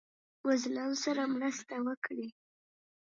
مظلوم سره مرسته وکړئ